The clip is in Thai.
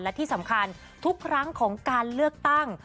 และที่สำคัญทุกครั้งของการเลือกตั้ง